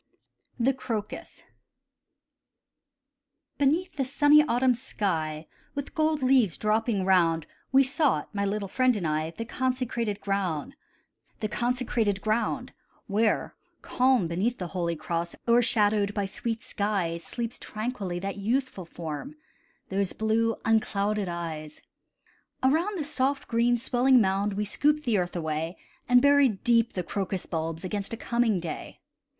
THE CROCUS Beneath the sunny autumn sky, With gold leaves dropping round, We sought, my little friend and I, The consecrated ground, Where, calm beneath the holy cross, O'ershadowed by sweet skies, Sleeps tranquilly that youthful form, Those blue unclouded eyes. Around the soft, green swelling mound We scooped the earth away, And buried deep the crocus bulbs Against a coming day.